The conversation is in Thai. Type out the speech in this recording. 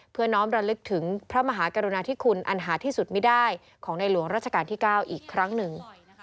น้องระลึกถึงพระมหากรุณาธิคุณอันหาที่สุดไม่ได้ของในหลวงราชการที่๙อีกครั้งหนึ่ง